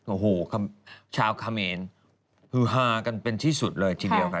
โอ้โหชาวเขมรฮือฮากันเป็นที่สุดเลยทีเดียวค่ะ